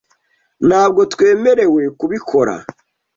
Ntabwo twemerewe kubikora